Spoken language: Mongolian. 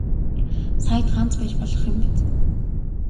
Саяд ганц байж болох юм биз.